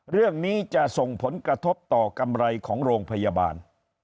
เรื่องนี้จะส่งผลกระทบต่อกำไรของโรงพยาบาล